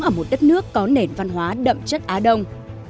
ở một đất nước có nền văn hóa đậm chất á đông